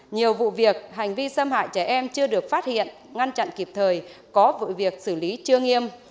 nhiều vụ việc hành vi xâm hại trẻ em chưa được phát hiện ngăn chặn kịp thời có vụ việc xử lý chưa nghiêm